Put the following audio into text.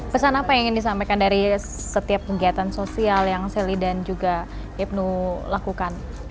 pesan apa yang ingin disampaikan dari setiap kegiatan sosial yang sally dan juga ibnu lakukan